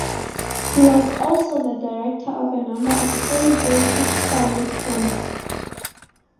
He was also the director of a number of early British silent films.